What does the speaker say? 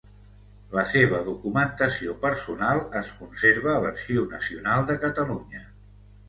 La seva documentació personal es conserva a l'Arxiu Nacional de Catalunya.